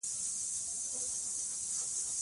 افغانستان د سلیمان غر مشهور روایتونه لري.